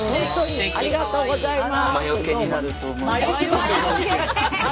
ありがとうございます。